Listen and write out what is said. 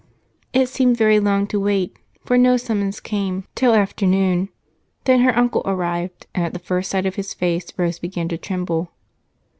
It seemed very long to wait, for no summons came till afternoon, then her uncle arrived, and at the first sight of his face Rose began to tremble.